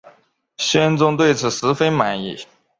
宣宗对此十分满意。